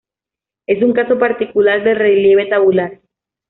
Es un caso particular del relieve tabular.